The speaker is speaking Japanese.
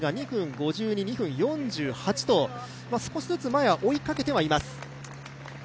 ５２、２分４８と少しずつ前を追いかけてはいます。